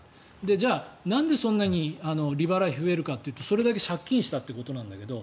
じゃあ、なんでそんなに利払い費が増えるかというとそれだけ借金したということなんだけど。